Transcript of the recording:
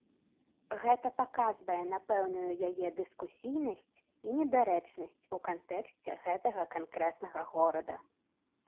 Гэта паказвае на пэўную яе дыскусійнасць і недарэчнасць у кантэксце гэтага канкрэтнага горада.